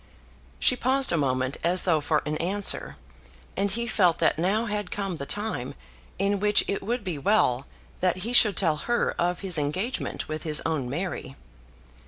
She paused a moment as though for an answer, and he felt that now had come the time in which it would be well that he should tell her of his engagement with his own Mary.